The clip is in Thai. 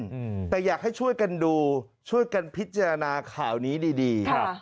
อืมแต่อยากให้ช่วยกันดูช่วยกันพิจารณาข่าวนี้ดีดีครับ